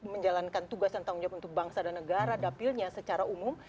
menjalankan tugas dan tanggung jawab untuk bangsa dan negara dapilnya secara umum